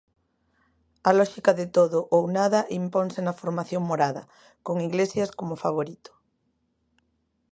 A lóxica de todo ou nada imponse na formación morada, con Iglesias como favorito.